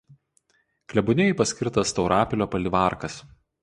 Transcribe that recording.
Klebonijai paskirtas Taurapilio palivarkas.